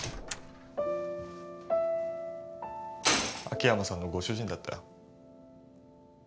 秋山さんのご主人だったよ。